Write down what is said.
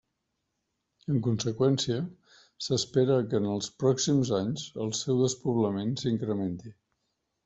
En conseqüència, s'espera que en els pròxims anys el seu despoblament s'incrementi.